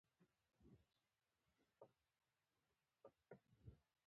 هر څه چې کیږي، باید لمړۍ کور سره اړیکه ونیسم